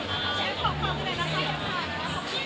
อาวุธต้องดีตอนนะคะ